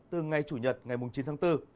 từ ngày chủ nhật ngày mùng chín tháng bốn